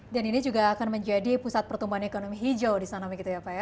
dan ini juga akan menjadi pusat pertumbuhan ekonomi hijau disana begitu ya pak ya